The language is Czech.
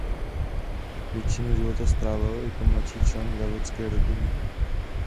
Většinu života strávil jako mladší člen vévodské rodiny.